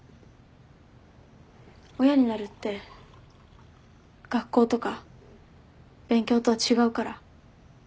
親になるって学校とか勉強とは違うから。